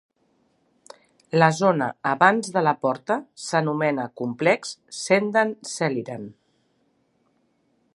La zona abans de la porta s'anomena complex Sendang Seliran.